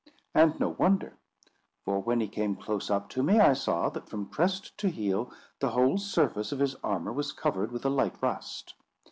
And no wonder; for when he came close up to me, I saw that, from crest to heel, the whole surface of his armour was covered with a light rust.